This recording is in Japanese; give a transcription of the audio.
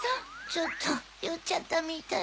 ちょっとよっちゃったみたい。